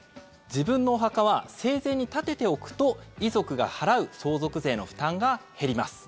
自分のお墓は生前に建てておくと遺族が払う相続税の負担が減ります。